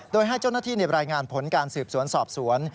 โดยให้เจ้าหน้าที่ในรายงานผลการสืบสวนสอบสวน